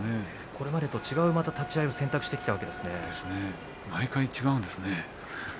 これまでと違う立ち合いを選択したんですね。